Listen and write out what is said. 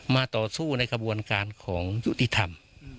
ต่อสู้ในกระบวนการของยุติธรรม